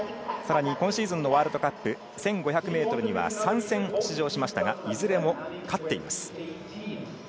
さらに今シーズンのワールドカップ１５００ｍには３戦出場しましたが、いずれも勝っています。